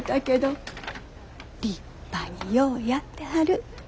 立派にようやってはる。